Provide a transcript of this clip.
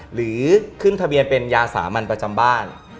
หรือขึ้นทะเบียนเป็นยาสามัญประจำบ้าน